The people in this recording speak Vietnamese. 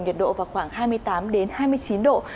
nhiệt độ vào khoảng hai mươi tám hai mươi chín độ